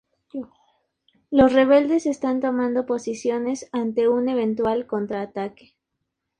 Los rebeldes están tomando posiciones ante un eventual contraataque.